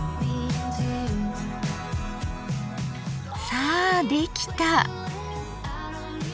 さあできた。